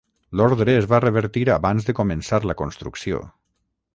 L'ordre es va revertir abans de començar la construcció.